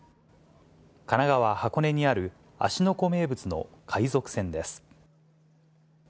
神奈川・箱根にある、芦ノ湖名物の海賊船です。